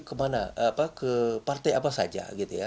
komunikasi ke mana ke partai apa saja